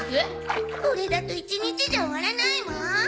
これだと一日じゃ終わらないわ。